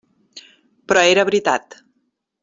Però era veritat.